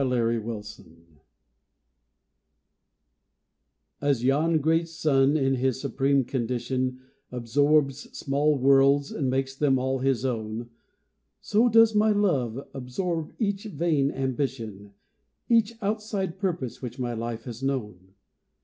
LOVE'S SUPREMACY As yon great Sun in his supreme condition Absorbs small worlds and makes them all his own, So does my love absorb each vain ambition, Each outside purpose which my life has known.